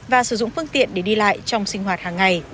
và sử dụng phương tiện để đi lại trong sinh hoạt hàng ngày